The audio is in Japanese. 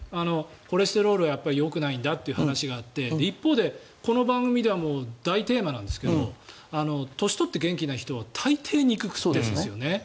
コレステロールはよくないんだという話があって一方でこの番組では大テーマなんですけど年を取って元気な人は大抵肉を食っているんですよね。